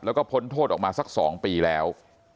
แล้วก็พ้นโทษออกมาสัก๒ปีแล้ว